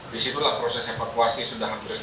disitulah proses evakuasi sudah hampir selesai